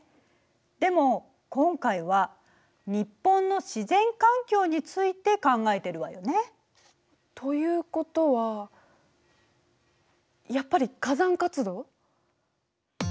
でも今回は日本の自然環境について考えてるわよね。ということはやっぱり火山活動？